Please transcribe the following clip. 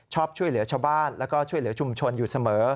ช่วยเหลือชาวบ้านแล้วก็ช่วยเหลือชุมชนอยู่เสมอ